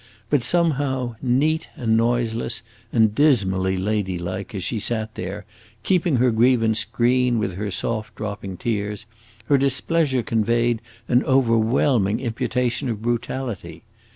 But somehow, neat and noiseless and dismally lady like, as she sat there, keeping her grievance green with her soft dropping tears, her displeasure conveyed an overwhelming imputation of brutality.